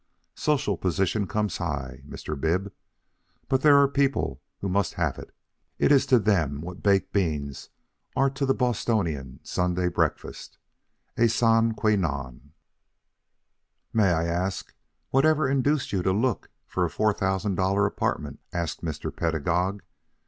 Social position comes high, Mr. Bib, but there are people who must have it. It is to them what baked beans are to the Bostonian's Sunday breakfast a sine qua non." "May I ask whatever induced you to look for a four thousand dollar apartment?" asked Mr. Pedagog.